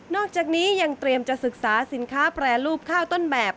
อกจากนี้ยังเตรียมจะศึกษาสินค้าแปรรูปข้าวต้นแบบ